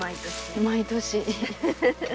毎年。